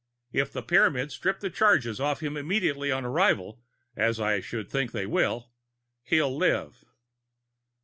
If the Pyramids strip the charges off him immediately on arrival, as I should think they will, he'll live."